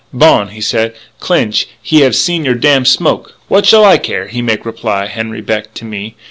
"'Bon,' said I, 'Clinch, he have seen your damn smoke!' "'What shall I care?' he make reply, Henri Beck, to me.